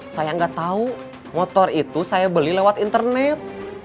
saya nggak tahu motor itu saya beli lewat internet